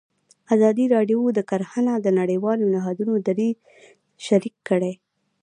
ازادي راډیو د کرهنه د نړیوالو نهادونو دریځ شریک کړی.